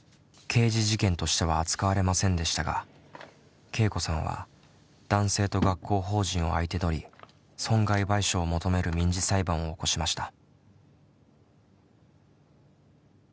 刑事事件としては扱われませんでしたがけいこさんは男性と学校法人を相手取り損害賠償を求める民事裁判を起こしました。